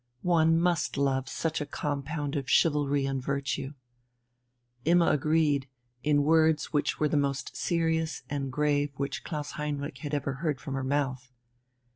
One must love such a compound of chivalry and virtue." Imma agreed, in words which were the most serious and grave which Klaus Heinrich had ever heard from her mouth.